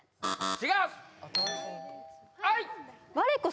違う？